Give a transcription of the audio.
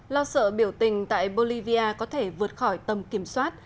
lo sợ biểu tình tại bolivia có thể vượt khỏi tầm kiểm soát